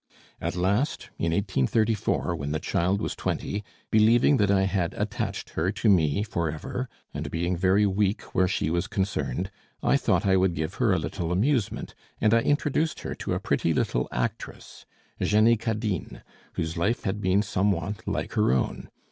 At last, in 1834, when the child was twenty, believing that I had attached her to me for ever, and being very weak where she was concerned, I thought I would give her a little amusement, and I introduced her to a pretty little actress, Jenny Cadine, whose life had been somewhat like her own.